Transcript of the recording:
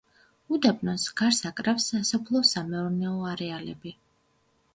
უდაბნოს გარს აკრავს სასოფლო-სამეურნეო არეალები.